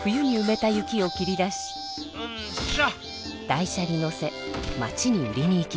台車にのせ町に売りにいきます。